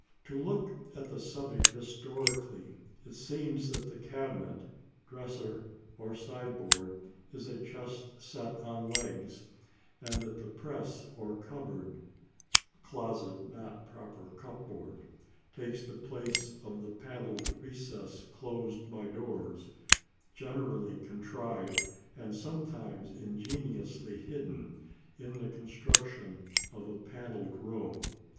To look at the subject historically, it seems that the cabinet, dresser, or sideboard is a chest set on legs, and that the "press," or cupboard (closet, not proper cup board), takes the place of the panelled recess closed by doors, generally contrived, and sometimes ingeniously hidden, in the construction of a panelled room.